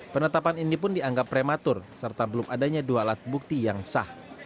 penetapan ini pun dianggap prematur serta belum adanya dua alat bukti yang sah